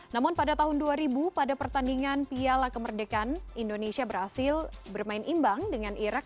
namun pada tahun dua ribu pada pertandingan piala kemerdekaan indonesia berhasil bermain imbang dengan irak